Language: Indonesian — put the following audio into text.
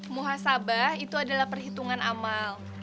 muhasabah itu adalah perhitungan amal